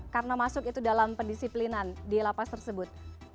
karena masuk itu dalam pendisiplinan di lapas tersebut